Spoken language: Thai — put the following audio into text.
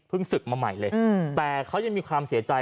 ศึกมาใหม่เลยแต่เขายังมีความเสียใจ